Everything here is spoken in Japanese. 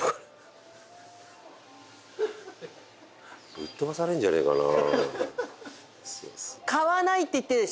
ぶっ飛ばされるんじゃねえかな。